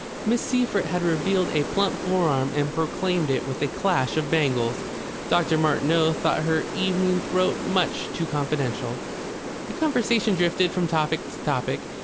Miss Seyffert had revealed a plump forearm and proclaimed it with a clash of bangles. Dr. Martineau thought her evening throat much too confidential. The conversation drifted from topic to topic.